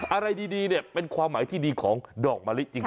อะไรดีเนี่ยเป็นความหมายที่ดีของดอกมะลิจริง